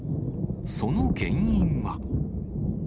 その原因は。